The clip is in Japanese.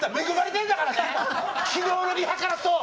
昨日のリハからそう！